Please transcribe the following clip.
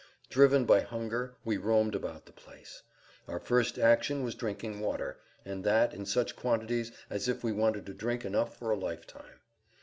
Driven by hunger we roamed about the place. But our first action was drinking water, and that in such quantities as if we wanted to drink enough for a lifetime.